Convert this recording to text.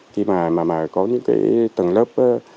khi mà có những tầng lớp